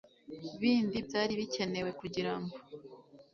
bindi byari bikenewe kugirango